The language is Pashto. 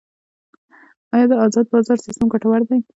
آیا د ازاد بازار سیستم ګټور دی؟